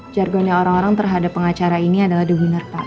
jargonnya orang orang terhadap pengacara ini adalah the winner pak